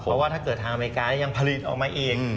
เพราะว่าถ้าเกิดทางอเมริกายังผลิตออกมาอีก